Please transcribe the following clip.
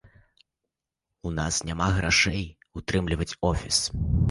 У нас няма грошай утрымліваць офіс.